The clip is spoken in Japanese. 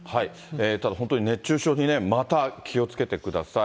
ただ、本当に熱中症にね、また気をつけてください。